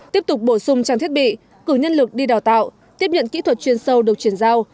tiếp tục bổ sung trang thiết bị cử nhân lực đi đào tạo tiếp nhận kỹ thuật chuyên sâu được chuyển giao